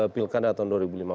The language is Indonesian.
pilkada tahun dua ribu lima belas